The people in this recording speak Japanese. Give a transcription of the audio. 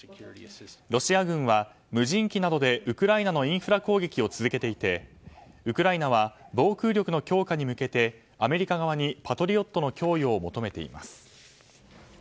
ロシア軍は無人機などでウクライナのインフラ攻撃を続けていてウクライナは防空力の強化に向けてアメリカ側にパトリオットの供与を求めています。